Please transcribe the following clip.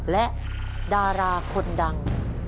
และดาราคนดัง